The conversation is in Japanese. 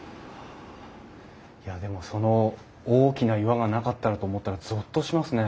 いやでもその大きな岩がなかったらと思ったらゾッとしますね。